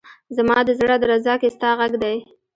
زما ده زړه درزا کي ستا غږ دی